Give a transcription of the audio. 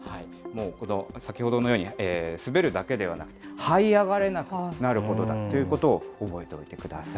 先ほどのように滑るだけではなくて、はい上がれなくなるほどだということを覚えておいてください。